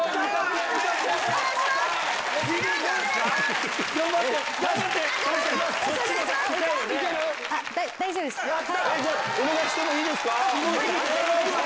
お願いしてもいいですか？